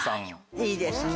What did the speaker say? いいですね。